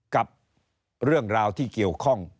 กับเรื่องราวที่เกี่ยวข้อง